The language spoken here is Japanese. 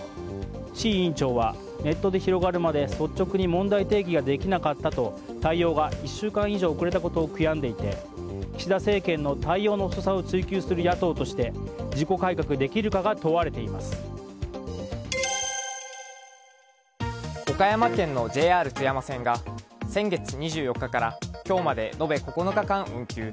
志位委員長はネットで広がるまで率直に問題提起ができなかったと対応が１週間以上遅れたことを悔やんでいて岸田政権の対応の遅さを追及する野党として自己改革できるかが岡山県のＪＲ津山線が先月２４日から今日まで延べ９日間、運休。